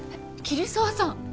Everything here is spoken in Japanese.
桐沢さん。